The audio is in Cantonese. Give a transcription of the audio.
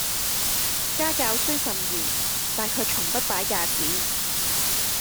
家教雖甚嚴，但卻從不擺架子